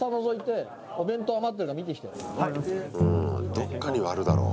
どっかには、あるだろう。